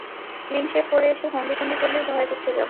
Clean shave করে এসে হম্বিতম্বি করলেই ভয়ে চুপসে যাবো?